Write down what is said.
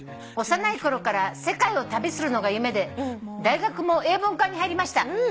「幼いころから世界を旅するのが夢で大学も英文科に入りました」